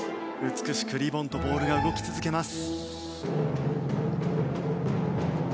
美しくリボンとボールが動き続けます。